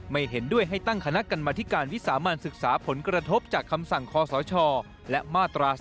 เห็นด้วยให้ตั้งคณะกรรมธิการวิสามันศึกษาผลกระทบจากคำสั่งคอสชและมาตรา๔